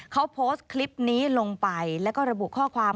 เขาโพสต์คลิปนี้ลงไปแล้วก็ระบุข้อความ